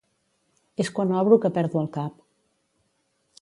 És quan obro que perdo el cap.